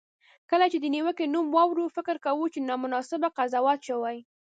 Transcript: کله چې د نیوکې نوم واورو، فکر کوو چې نامناسبه قضاوت شوی.